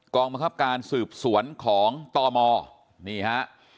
บังคับการสืบสวนของตมนี่ฮะ